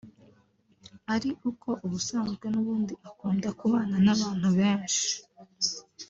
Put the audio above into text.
ari uko ubusanzwe n’ubundi akunda kubana n’abantu benshi